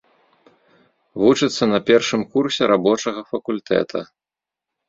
Вучыцца на першым курсе рабочага факультэта.